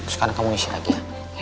sekarang kamu isi lagi